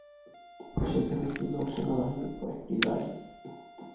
সেখানে ছিল সেনাবাহিনীর কয়েকটি গাড়ি।